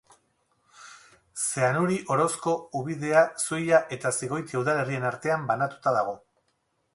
Zeanuri, Orozko, Ubidea, Zuia eta Zigoitia udalerrien artean banatuta dago.